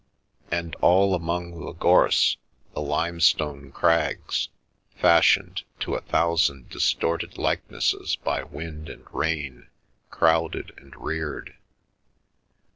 And, all among the gorse, the limestone crags, fashioned to a thousand distorted likenesses by wind and rain, crowded and reared.